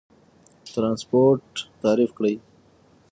ترانسپورت تعریف کړئ.